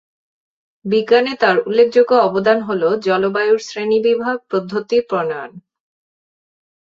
বিজ্ঞানে তার উল্ল্যেখযোগ্য অবদান হলো জলবায়ুর শ্রেণীবিভাগ পদ্ধতি প্রণয়ন।